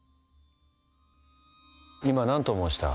今、なんと申した？